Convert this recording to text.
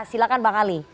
silahkan pak ali